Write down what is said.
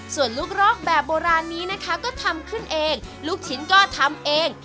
ส่วนลูกรอกแบบโบราณนี้นะคะก็ทำขึ้นเองลูกชิ้นก็ทำเอง